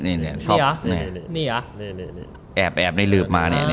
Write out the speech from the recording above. นี่แอบในหลืบมาเนี่ย